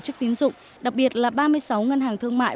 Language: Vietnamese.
và các tổ chức tín dụng đặc biệt là ba mươi sáu ngân hàng thương mại